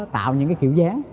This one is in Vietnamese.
tạo những kiểu dáng